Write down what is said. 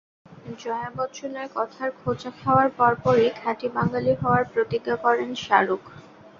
জয়া বচ্চনের কথার খোঁচা খাওয়ার পরপরই খাঁটি বাঙালি হওয়ার প্রতিজ্ঞা করেন শাহরুখ।